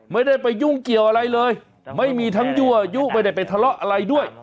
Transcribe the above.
ไม่ได้ไปยุ่งเกี่ยวอะไรเลยไม่มีทั้งยั่วยุไม่ได้ไปทะเลาะอะไรด้วย